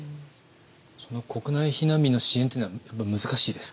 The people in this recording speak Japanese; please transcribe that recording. その国内避難民の支援っていうのはやっぱり難しいですか？